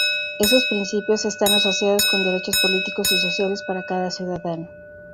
Esos principios están asociados con derechos políticos y sociales para cada ciudadano.